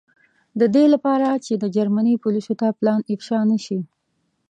د دې له پاره چې د جرمني پولیسو ته پلان افشا نه شي.